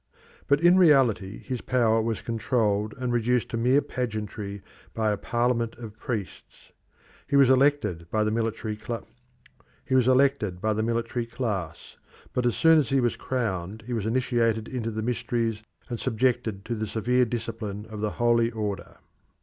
But in reality his power was controlled and reduced to mere pageantry by a parliament of priests. He was elected by the military class, but as soon as he was crowned he was initiated into the mysteries and subjected to the severe discipline of the holy order.